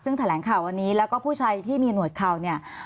ซึ่งแถลงข่าววันนี้แล้วก็ผู้ชายที่มีหนวดข่าวเนี่ย